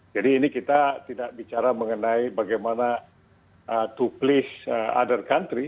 jadi ini kita tidak bicara mengenai bagaimana to please other country